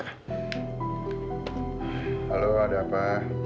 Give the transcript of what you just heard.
halo ada apa